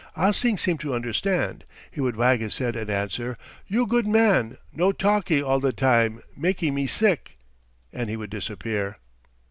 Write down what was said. Ah Sing seemed to understand. He would wag his head and answer, "You good man, no talky all the time, makey me sick." And he would disappear.